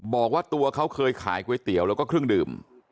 บอกว่าตัวเขาเคยขายก๋วยเตี๋ยวแล้วก็เครื่องดื่ม